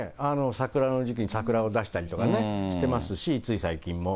桜の時期に桜を出したりとかね、してますし、つい最近も。